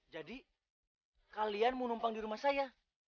jadi kalian mau numpang di rumah saya